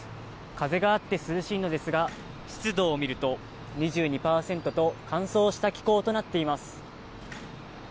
風があって涼しいのですが湿度を見ると２２％と乾燥した気候となっています。